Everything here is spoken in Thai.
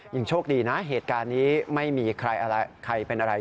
ยังโชคดีนะเหตุการณ์นี้ไม่มีใครอะไรใครเป็นอะไร